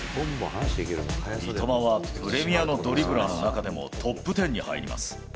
三笘はプレミアのドリブラーの中でもトップテンに入ります。